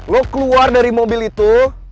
lo keluar dari mobil itu